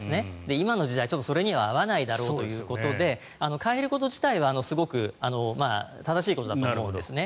今の時代、それは合わないだろうということで変えること自体はすごく正しいことだと思うんですね。